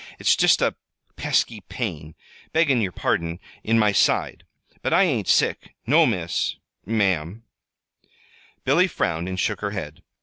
"It's just a pesky pain beggin' yer pardon in my side. But I ain't sick. No, Miss ma'am." Billy frowned and shook her head.